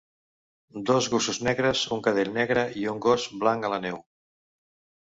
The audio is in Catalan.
Dos gossos negres, un cadell negre i un gos blanc a la neu.